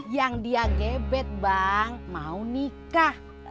yang dia gebet bang mau nikah